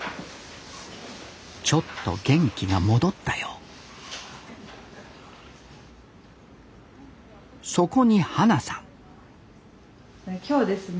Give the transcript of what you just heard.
ちょっと元気が戻ったようそこに花さん今日ですね